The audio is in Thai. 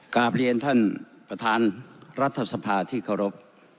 กลับเรียนท่านประธานรัฐสภาที่เคารพ